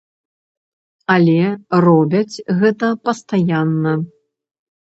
Але робяць гэта пастаянна.